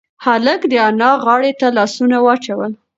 هلک د انا غاړې ته لاسونه واچول.